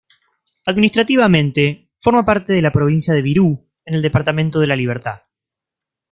Administrativamente, forma parte de la provincia de Virú en el departamento de La Libertad.